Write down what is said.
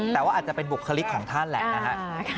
แต่ว่าอาจจะเป็นบุคลิกของท่านแหละนะฮะ